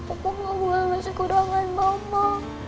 aku mau buang masih kurangan mama